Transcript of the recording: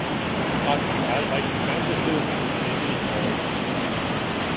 Sie trat in zahlreichen Fernsehfilmen und -serien auf.